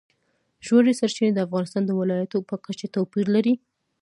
ژورې سرچینې د افغانستان د ولایاتو په کچه توپیر لري.